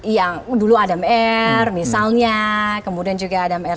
yang dulu adam r misalnya kemudian juga adam r